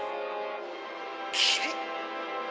「キリッ」。